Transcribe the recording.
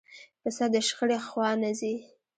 پسه د شخړې خوا نه ځي.